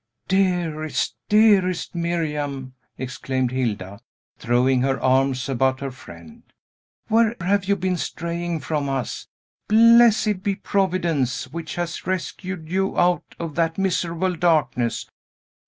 "Dearest, dearest Miriam," exclaimed Hilda, throwing her arms about her friend, "where have you been straying from us? Blessed be Providence, which has rescued you out of that miserable darkness!"